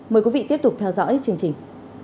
mời quý vị tiếp tục theo dõi chương trình